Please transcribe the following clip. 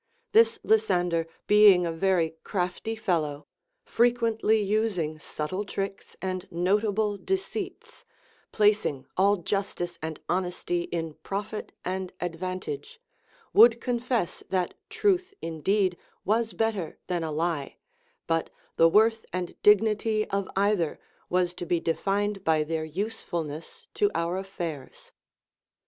This Lysander being a very crafty fellow, frequently using subtle tricks and notable deceits, placing all justice and honesty in profit and advantage, would confess that truth indeed was better than a lie, but the worth and dignity of either was to be defined by their usefulness to our affairs.